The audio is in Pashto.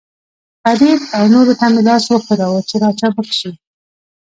فرید او نورو ته مې لاس وښوراوه، چې را چابک شي.